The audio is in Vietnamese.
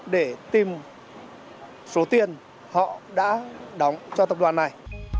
để tìm số tiền họ đã đóng cho tập đoàn này